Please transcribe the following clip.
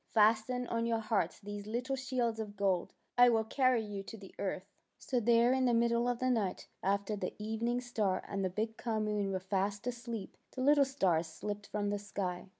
'' Fasten on your hearts these little shields of gold. I will carry you to the earth." So there in the middle of the night, after the evening star and the big calm moon were fast asleep, the little stars slipped from the sky.